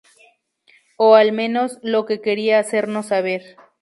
O al menos, lo que quería hacernos saber.